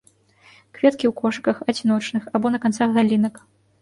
Кветкі ў кошыках, адзіночных, або на канцах галінак.